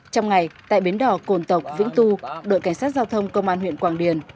trong ngày tại bến đỏ cồn tộc vĩnh tu đội cảnh sát giao thông công an huyện quảng điền